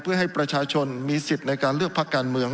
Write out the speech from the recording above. เพื่อให้ประชาชนมีสิทธิ์ในการเลือกพักการเมือง